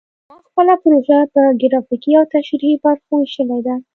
ما خپله پروژه په ګرافیکي او تشریحي برخو ویشلې ده